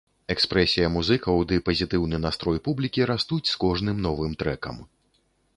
Экспрэсія музыкаў ды пазітыўны настрой публікі растуць з кожным новым трэкам.